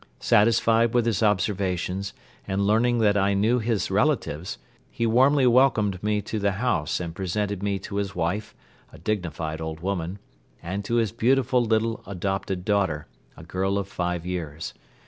Satisfied with his observations and learning that I knew his relatives, he warmly welcomed me to the house and presented me to his wife, a dignified old woman, and to his beautiful little adopted daughter, a girl of five years.